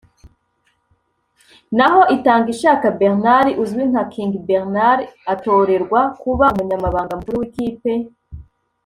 n’aho Itangishaka Bernard uzwi nka King Bernard atorerwa kuba Umunyamabanga mukuru w’ikipe